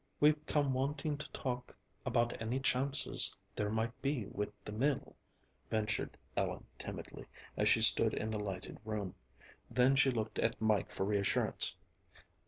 "We've come wanting to talk about any chances there might be with the mill," ventured Ellen timidly, as she stood in the lighted room; then she looked at Mike for reassurance.